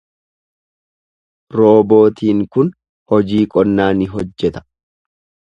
Roobootiin kun hojii qonnaa ni hojjeta.